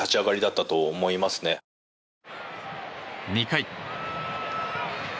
２回。